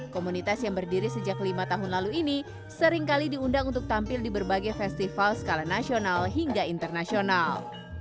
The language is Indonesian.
komunitas yang berdiri sejak lima tahun lalu ini seringkali diundang untuk tampil di berbagai festival skala nasional hingga internasional